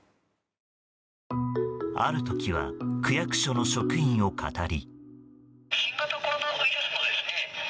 ある時は区役所の職員をかたり。